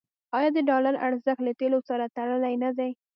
آیا د ډالر ارزښت له تیلو سره تړلی نه دی؟